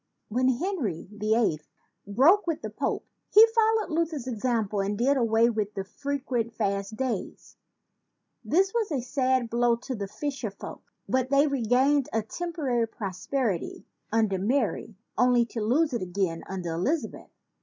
When 139 ON THE LENGTH OF CLEOPATRA'S NOSE Henry VIII broke with the Pope, he followed Luther's example and did away with the fre quent fast days. This was a sad blow to the fisher folk; but they regained a temporary prosperity under Mary, only to lose it again under Elizabeth.